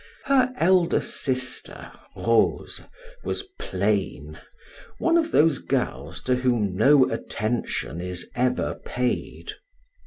Her elder sister, Rose, was plain one of those girls to whom no attention is ever paid.